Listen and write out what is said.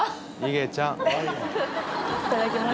いただきます。